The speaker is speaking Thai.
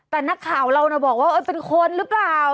แต่นักข่าวเราบอกว่าเป็นคนหรือเปล่า